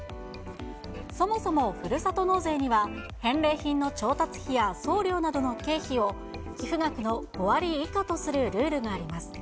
そもそもふるさと納税には、返礼品の調達費や送料などの経費を、寄付額の５割以下とするルールがあります。